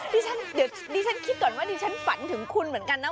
นี่ฉันคิดก่อนว่านี่ฉันฝันถึงคุณเหมือนกันนะ